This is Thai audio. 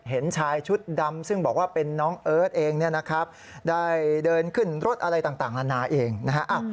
เห็นชายชุดดำซึ่งบอกว่าเป็นน้องเอิร์ทเองเนี่ยนะครับได้เดินขึ้นรถอะไรต่างนานาเองนะฮะ